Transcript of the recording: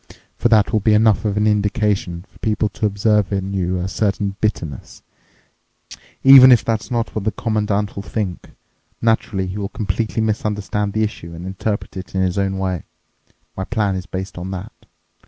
For that will be enough of an indication for people to observe in you a certain bitterness, even if that's not what the Commandant will think. Naturally, he will completely misunderstand the issue and interpret it in his own way. My plan is based on that.